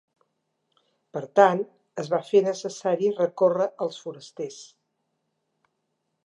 Per tant, es va fer necessari recórrer als forasters.